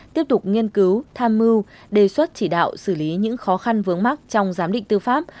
tiếp tục nghiên cứu tham mưu đề xuất chỉ đạo xử lý những khó khăn vướng mắt trong giám định tư pháp